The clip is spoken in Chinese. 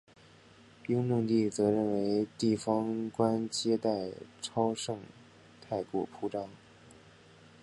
雍正帝则认为地方官接待超盛太过铺张。